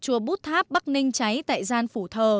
chùa bút tháp bắc ninh cháy tại gian phủ thờ